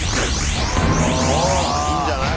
おっいいんじゃない？